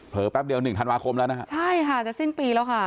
แป๊บเดียว๑ธันวาคมแล้วนะฮะใช่ค่ะจะสิ้นปีแล้วค่ะ